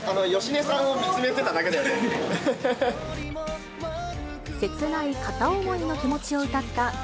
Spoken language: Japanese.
芳根さんを見つめてただけだ切ない片思いの気持ちを歌った、Ｈｅｙ！